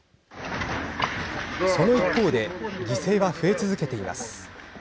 その一方で犠牲は増え続けています。